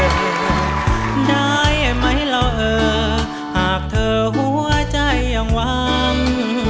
ได้ไหมล่ะเออหากเธอหัวใจยังหวัง